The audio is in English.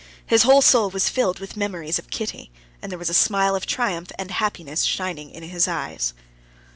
His whole soul was filled with memories of Kitty, and there was a smile of triumph and happiness shining in his eyes.